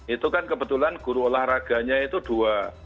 itu kan kebetulan guru olahraganya itu dua